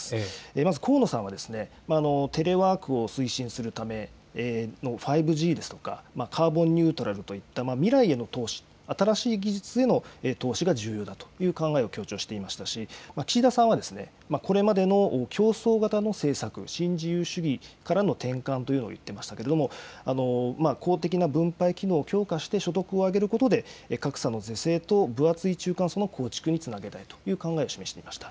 まず河野さんは、テレワークを推進するための５Ｇですとか、カーボンニュートラルといった未来への投資、新しい技術への投資が重要だという考えを強調していましたし、岸田さんはですね、これまでの競争型の政策、新自由主義からの転換というのを言っていましたけれども、公的な分配機能を強化して所得を上げることで、格差の是正と、分厚い中間層の構築につなげるという考えを示していました。